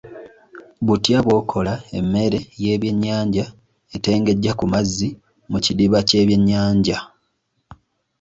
Butya bw'okola emmere y'ebyennyanja etengejja ku mazzi mu kidiba ky'ebyennyanja?